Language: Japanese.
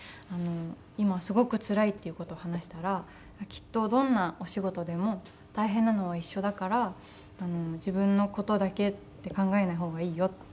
今すごくつらいっていう事を話したらきっとどんなお仕事でも大変なのは一緒だから自分の事だけって考えない方がいいよって。